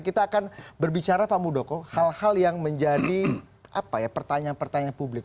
kita akan berbicara pak mudoko hal hal yang menjadi pertanyaan pertanyaan publik